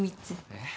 えっ？